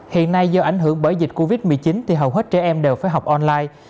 hiện nay do ảnh hưởng bởi dịch covid một mươi chín thì hầu hết trẻ em đều phải học online